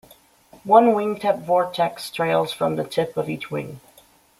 One wingtip vortex trails from the tip of each wing.